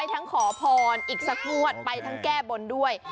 อีกซักงวดไปทั้งไก้บนด้วย